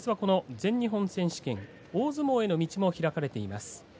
全日本選手権大相撲への道も開かれています。